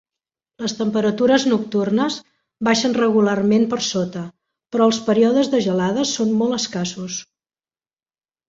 Les temperatures nocturnes baixen regularment per sota, però els períodes de gelades són molt escassos.